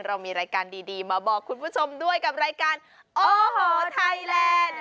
เรามีรายการดีมาบอกคุณผู้ชมด้วยกับรายการโอ้โหไทยแลนด์